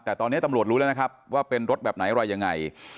แต่ตอนนี้ตำรวจรู้แล้วนะครับว่าเป็นรถแบบไหนอะไรยังไง